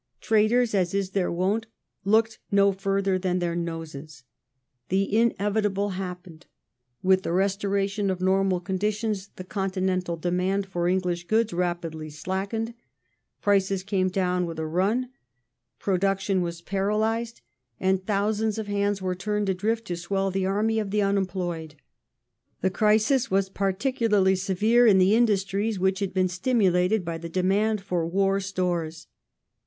Traders, as is their wont, looked no fui ther than their noses. The inevit able happened. With the restoration of normal conditions the continental demand for English goods rapidly slackened ; prices came down with a run ; production was paralysed, and thousands of hands were turned adrift to swell the army of the unemployed. The crisis was particularly severe in the industries which had been stimulated by the demand for war stores.